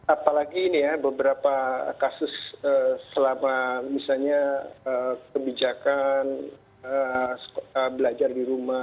apalagi ini ya beberapa kasus selama misalnya kebijakan belajar di rumah